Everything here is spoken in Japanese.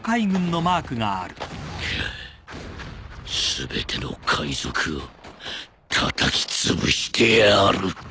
全ての海賊をたたきつぶしてやる。